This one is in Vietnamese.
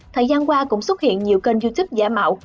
thời gian qua cũng xuất hiện nhiều kênh youtube giả mạo